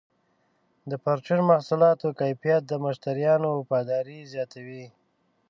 د پرچون محصولاتو کیفیت د مشتریانو وفاداري زیاتوي.